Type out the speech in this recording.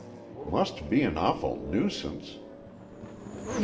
"Must be an awful nuisance."